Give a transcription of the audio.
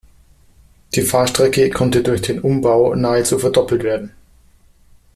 Die Fahrstrecke konnte durch den Umbau nahezu verdoppelt werden.